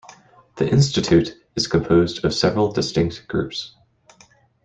The Institute is composed of several distinct groups.